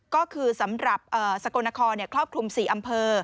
ก็คือสำหรับสกลนครครอบคลุม๔อำเภอ